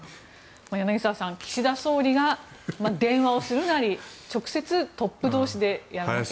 柳澤さん岸田総理が電話をするなり直接、トップ同士でやらないと。